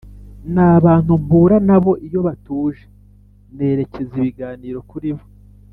N abantu mpura na bo iyo batuje nerekeza ibiganiro kuribo